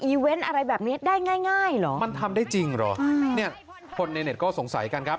อะไรแบบนี้ได้ง่ายง่ายเหรอมันทำได้จริงเหรอเนี่ยคนในเน็ตก็สงสัยกันครับ